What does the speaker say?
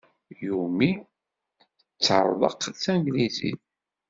Yumi ttertaq Tanglizit.